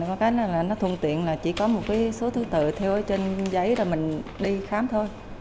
có cái là nó thuận tiện là chỉ có một cái số thứ tự theo trên giấy rồi mình đi khám thôi